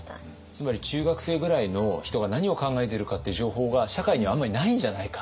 つまり中学生ぐらいの人が何を考えてるかっていう情報が社会にあんまりないんじゃないか？